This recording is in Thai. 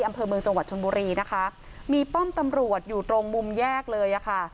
อำเภอเมืองจังหวัดชนบุรีนะคะมีป้อมตำรวจอยู่ตรงมุมแยกเลยอ่ะค่ะ